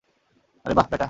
আরে বাহ্, ব্যাটা!